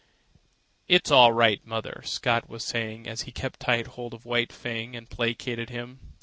"It's all right, mother," Scott was saying as he kept tight hold of White Fang and placated him.